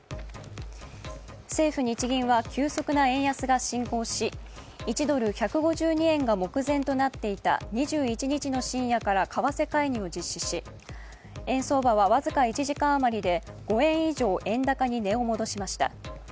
政府・日銀は急速な円安が進行し１ドル＝１５２円が目前となっていた２１日の深夜から為替介入を実施し円相場は僅か１時間余りで５円以上円高に値を戻しました。